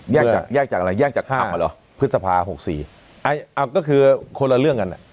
แยกจากแยกจากอะไรยากห้าหรอพฤษภา๖๔เอิ่มอ้าอ่าก็คือคนละเรื่องอันเนี้ย